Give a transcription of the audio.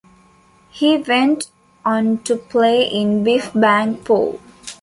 He went on to play in Biff Bang Pow.